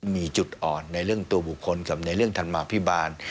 มีจุดอ่อนในเรื่องตัวบุคคลกับในเรื่องธรรมาภิบาล